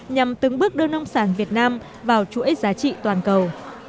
nhằm từng bước đưa nông sản việt nam vào chuỗi giá trị toàn cầu